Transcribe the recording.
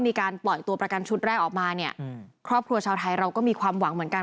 มีการปล่อยตัวประกันชุดแรกออกมาเนี่ยครอบครัวชาวไทยเราก็มีความหวังเหมือนกัน